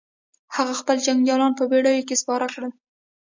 هغه خپل جنګيالي په بېړيو کې سپاره کړل.